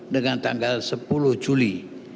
dengan tanggal sepuluh juli dua ribu dua puluh dua